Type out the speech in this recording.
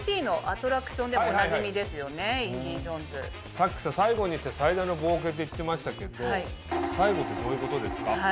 さっきさ最後にして最大の冒険って言ってましたけど最後ってどういうことですか？